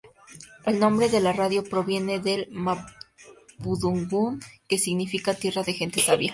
El nombre de la radio proviene del mapudungún que significa "tierra de gente sabia".